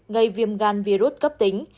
gây viêm gan virus cấp tính